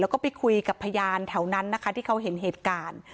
แล้วก็ไปคุยกับพยานแถวนั้นนะคะที่เขาเห็นเหตุการณ์